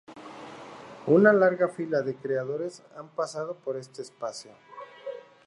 Una larga fila de creadores han pasado por este espacio.